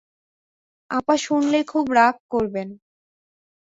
আপা শুনলে খুব রাগ করবেন।